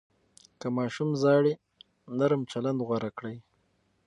که ماشوم ژاړي، نرم چلند غوره کړئ.